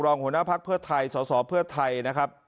หัวหน้าภักดิ์เพื่อไทยสสเพื่อไทยนะครับ